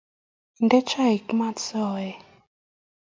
Inde chaik maat kokuut si o ee